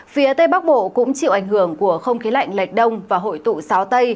phía tây bắc bộ cũng chịu ảnh hưởng của không khí lạnh lệch đông và hội tụ gió tây